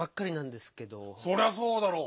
そりゃそうだろう！